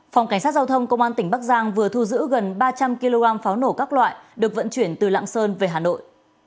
phòng cảnh sát giao thông công an tỉnh bắc giang vừa thu giữ gần ba trăm linh kg pháo nổ các loại được vận chuyển từ lạng sơn về hà nội